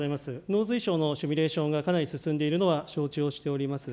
農水省のシミュレーションがかなり進んでいるのは承知をしております。